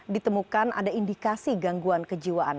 ditemukan ada indikasi gangguan kejiwaan